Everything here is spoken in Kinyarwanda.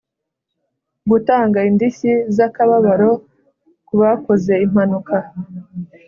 gutanga indishyi z akababaro kubakoze impanuka